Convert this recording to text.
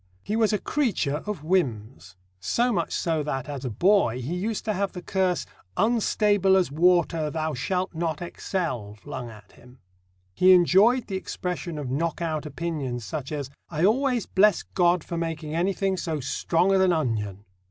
He was a creature of whims: so much so that, as a boy, he used to have the curse, "Unstable as water, thou shalt not excel," flung at him. He enjoyed the expression of knock out opinions such as: "I always bless God for making anything so strong as an onion!"